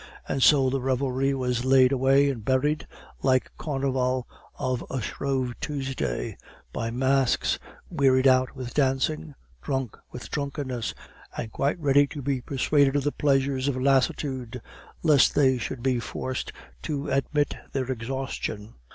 And so the revelry was laid away and buried, like carnival of a Shrove Tuesday, by masks wearied out with dancing, drunk with drunkenness, and quite ready to be persuaded of the pleasures of lassitude, lest they should be forced to admit their exhaustion.